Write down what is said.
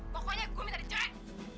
pokoknya gue minta diceritakan